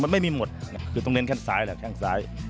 ไม่มีหมดไม่ต้องเหน็นแข่งซ้อยแหละแข่งซ้อย